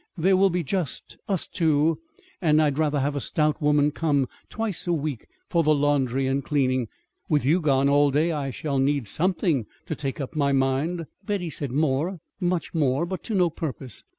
There will be just us two, and I'd rather have a stout woman come twice a week for the laundry and cleaning. With you gone all day I shall need something to take up my mind." Betty said more, much more; but to no purpose.